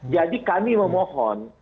jadi kami memohon